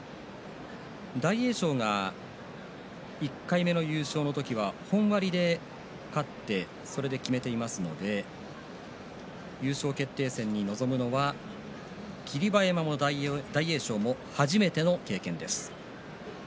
大栄翔が１回目の優勝の時は本割で勝ってそれで決めていますので優勝決定戦に臨むのは霧馬山も大栄翔も初めての経験です。